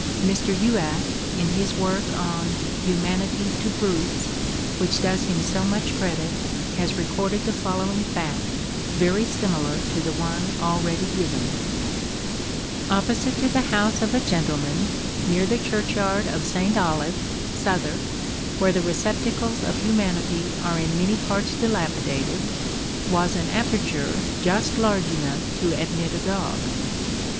Mr. Youatt, in his work on "Humanity to Brutes," which does him so much credit, has recorded the following fact, very similar to the one already given: Opposite to the house of a gentleman, near the churchyard of St. Olave, Southwark, where the receptacles of humanity are in many parts dilapidated, was an aperture just large enough to admit a dog.